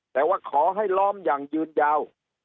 แต่ว่าขอให้ล้อมอย่างยืนยาว